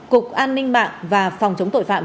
cục an ninh mạng và phòng chống tội phạm